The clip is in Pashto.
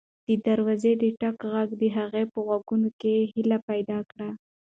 د دروازې د ټک غږ د هغې په غوږونو کې هیله پیدا کړه.